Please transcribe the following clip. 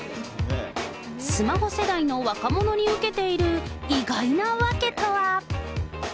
スマホ世代の若者に受けている意外な訳とは。